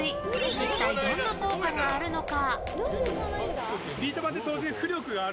一体どんな効果があるのか？